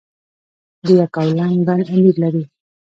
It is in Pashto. د یکاولنګ بند امیر لري